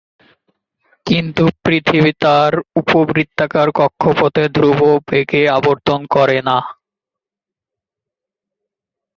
কিন্তু পৃথিবী তার উপবৃত্তাকার কক্ষপথে ধ্রুব বেগে আবর্তন করে না।